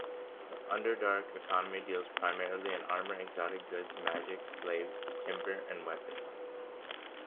The Underdark economy deals primarily in armor, exotic goods, magic, slaves, timber and weapons.